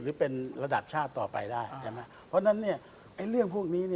หรือเป็นระดับชาติต่อไปได้ใช่ไหมเพราะฉะนั้นเรื่องพวกนี้